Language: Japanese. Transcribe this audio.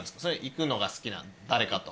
行くのが好きな誰かと。